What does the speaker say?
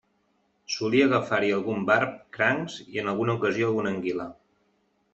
Solia agafar-hi algun barb, crancs, i en alguna ocasió alguna anguila.